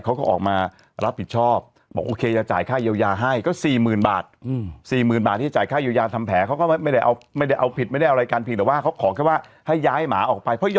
ภายในร้านค้าแห่งหนึ่งเนี่ยสามารถบันทึกภาพ